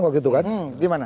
kalau gitu kan